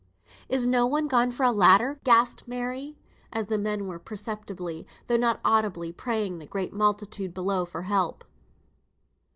"Is no one gone for a ladder?" gasped Mary, as the men were perceptibly, though not audibly, praying the great multitude below for help.